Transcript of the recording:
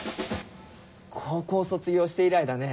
高校卒業して以来だね。